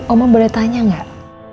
oma boleh tanya nggak